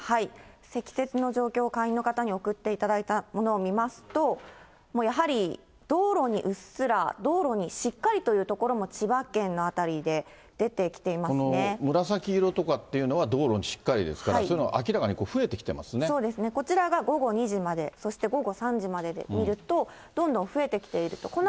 積雪の状況、会員の方に送っていただいたものを見ますと、やはり道路にうっすら、道路にしっかりという所も千葉県の辺りで出この紫色とかっていうのは、道路にしっかりですから、そういうの、明らかに増えてきていますそうですね、こちらが午後２時まで、そして午後３時まででみると、どんどん増えてきていると。